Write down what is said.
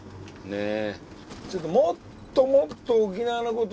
ねえ。